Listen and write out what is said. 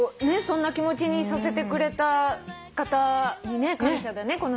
そんな気持ちにさせてくれた方に感謝だね